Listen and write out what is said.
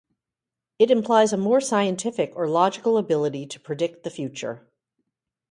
It implies a more scientific or logical ability to predict the future.